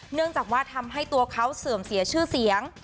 เนื่องจากว่าทำให้ตัวเขาเสื่อมเสียชื่อเสียง